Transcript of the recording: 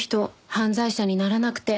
犯罪者にならなくて。